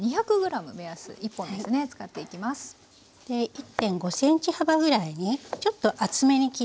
１．５センチ幅ぐらいにちょっと厚めに切りますね。